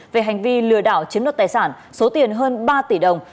về hành vi lừa đảo chiếm đoạt tài sản số tiền hơn ba tỷ đồng